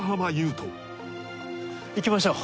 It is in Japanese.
斗行きましょう